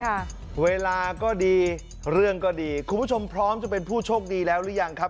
ค่ะเวลาก็ดีเรื่องก็ดีคุณผู้ชมพร้อมจะเป็นผู้โชคดีแล้วหรือยังครับ